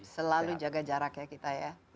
selalu jaga jarak ya kita ya